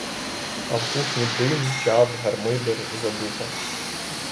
А в кухні дим, чад, гармидер, задуха.